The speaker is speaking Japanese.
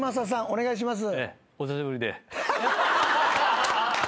お願いします。